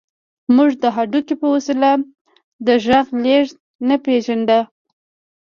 موږ د هډوکي په وسيله د غږ لېږد نه پېژاند.